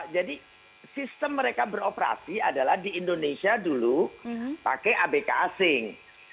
jadi sistem mereka beroperasi adalah di indonesia dulu pakai abk asing